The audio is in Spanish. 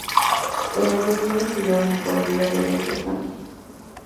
Las negociaciones se llevaron a cabo a lo largo del stand-o.